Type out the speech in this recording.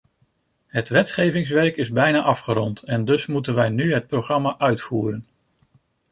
Het wetgevingswerk is bijna afgerond en dus moeten wij nu het programma uitvoeren.